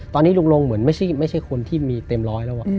ตอนนี้ลุงลงเหมือนไม่ใช่คนที่มีเต็มร้อยแล้ว